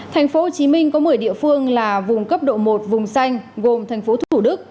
tp hcm có một mươi địa phương là vùng cấp độ một vùng xanh gồm tp thủ đức